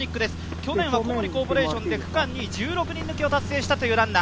去年は小森コーポレーションで区間２位、１６人抜きを達成したというランナー。